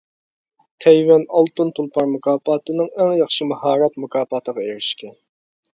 تەيۋەن ئالتۇن تۇلپار مۇكاپاتىنىڭ ئەڭ ياخشى ماھارەت مۇكاپاتىغا ئېرىشكەن.